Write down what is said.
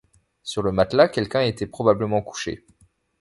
Sur le matelas quelqu’un était probablement couché.